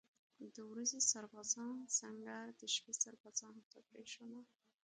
د ورځې سربازانو سنګر د شپې سربازانو ته پرېښوده.